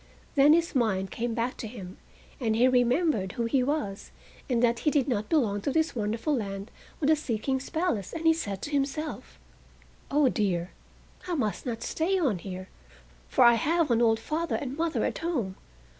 Then his mind came back to him and he remembered who he was, and that he did not belong to this wonderful land or the Sea King's palace, and he said to himself: "O dear! I must not stay on here, for I have an old father and mother at home.